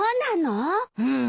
うん。